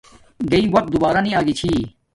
گݵی وقت دوبارہ نی آگی چھی